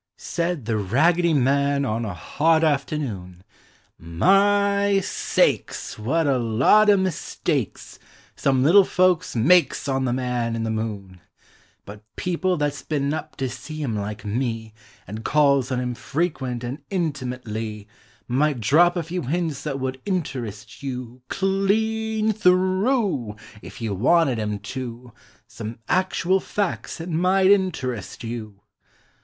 Said the Raggedy Man oil a hot afternoon, u My ! Hakes ! What a lot o' mistakes Some little folks makes on the Man iu the Moon ! But people that 's been up to see him like Me, And calls on him frequent and intimutly, Might drop a few hints that would interest you Clean ! Through ! If you wanted Vm to Some actual facts that might interest you!